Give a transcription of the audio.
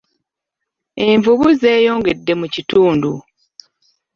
Envubu zeeyongedde mu kitundu.